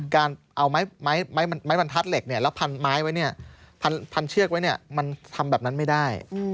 การเอาไม้บรรทัดเหล็กแล้วพันไม้ไว้เนี่ยพันเชือกไว้เนี่ยมันทำแบบนั้นไม่ได้